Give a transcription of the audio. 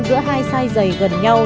giữa hai size giày gần nhau